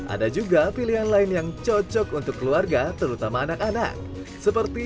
ada juga pilihan lain yang cocok untuk keluarga terutama anak anak seperti